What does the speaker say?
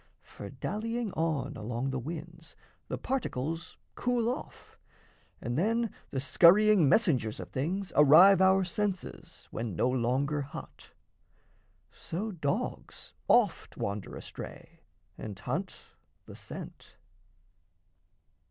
For, dallying on Along the winds, the particles cool off, And then the scurrying messengers of things Arrive our senses, when no longer hot. So dogs oft wander astray, and hunt the scent.